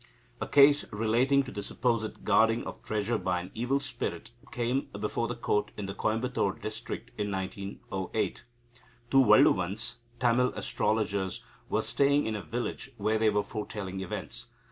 A case relating to the supposed guarding of treasure by an evil spirit came before the Court in the Coimbatore district in 1908. Two Valluvans (Tamil astrologers) were staying in a village, where they were foretelling events.